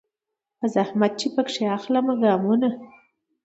په زحمت چي پکښي اخلمه ګامونه